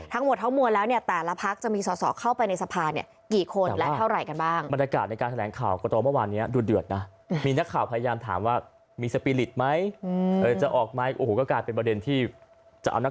ทั้งหมดทั้งมวลแล้วเนี่ยแต่ละพักจะมีสอสอเข้าไปในสภาเนี่ยกี่คนและเท่าไหร่กันบ้าง